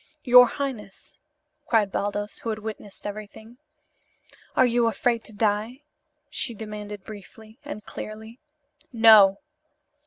"Your highness!" cried Baldos, who had witnessed everything. "Are you afraid to die?" she demanded briefly; and clearly. "No!"